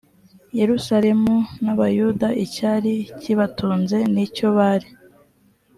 yerusalemu n abayuda icyari kibatunze n icyo bari